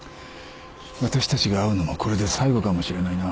私たちが会うのもこれで最後かもしれないな。